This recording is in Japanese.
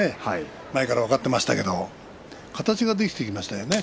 前から分かっていましたけれども形ができてきましたよね。